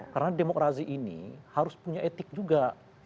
karena demokrasi ini harus punya etik juga